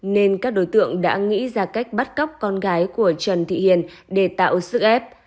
nên các đối tượng đã nghĩ ra cách bắt cóc con gái của trần thị hiền để tạo sức ép